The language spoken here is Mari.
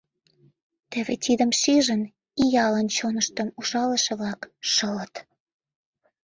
Теве тидым шижын, иялан чоныштым ужалыше-влак шылыт.